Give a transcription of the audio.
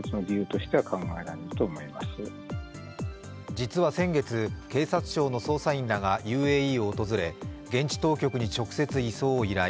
実は先月、警察庁の捜査員らがＵＡＥを訪れ現地当局に直接移送を依頼。